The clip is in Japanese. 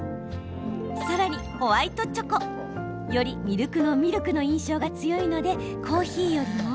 さらに、ホワイトチョコ。よりミルクの印象が強いのでコーヒーよりも。